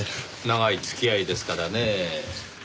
長い付き合いですからねぇ。